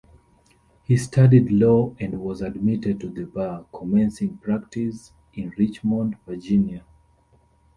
He studied law and was admitted to the bar, commencing practice in Richmond, Virginia.